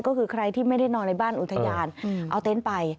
ก็คือใครที่ไม่ได้นอนในบ้านอุทยานเอาเต็นต์ไป